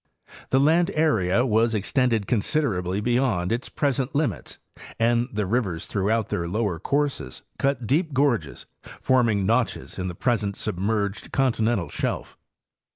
The land area was extended con siderably beyond its present limits, and the rivers throughout their lower courses cut deep gorges, forming notches in the present submerged continental shelf.